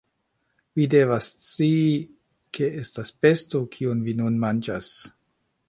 Vi devas scii, ke estas besto, kiun vi nun manĝas